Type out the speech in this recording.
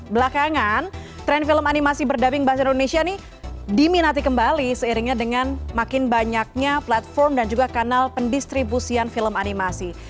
belakangan tren film animasi berdubing bahasa indonesia ini diminati kembali seiringnya dengan makin banyaknya platform dan juga kanal pendistribusian film animasi